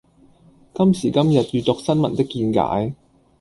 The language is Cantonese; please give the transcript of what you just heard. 今時今日閱讀新聞的見解